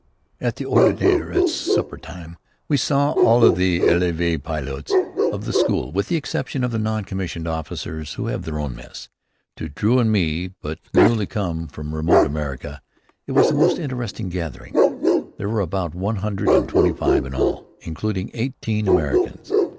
At the ordinaire, at supper time, we saw all of the élève pilotes of the school, with the exception of the non commissioned officers, who have their own mess. To Drew and me, but newly come from remote America, it was a most interesting gathering. There were about one hundred and twenty five in all, including eighteen Americans.